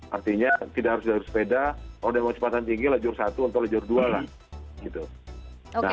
artinya tidak harus jalan sepeda kalau mau cepatan tinggi lejur satu atau lejur dua lah